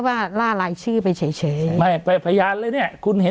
ว่าล่าลายชื่อไปเฉยเฉยไม่ไปพยานเลยเนี้ยคุณเห็น